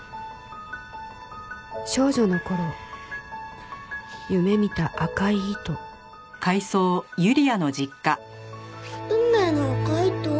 少女の頃夢見た赤い糸運命の赤い糸？